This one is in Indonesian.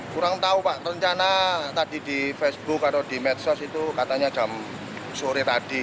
kurang tahu pak rencana tadi di facebook atau di medsos itu katanya jam sore tadi